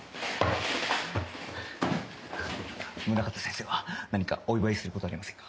宗方先生は何かお祝いする事はありませんか？